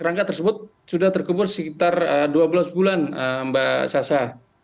rangka tersebut sudah terkubur sekitar dua belas bulan mbak sasa